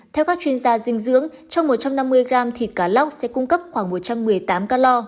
theo các chuyên gia dinh dưỡng trong một trăm năm mươi gram thịt cá lóc sẽ cung cấp khoảng một trăm một mươi tám calor